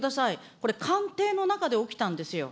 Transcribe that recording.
これ、官邸の中で起きたんですよ。